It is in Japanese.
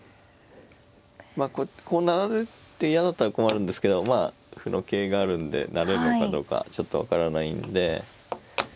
まあこう成られて嫌だったら困るんですけどまあ歩の桂があるんで成れるのかどうかちょっと分からないんで。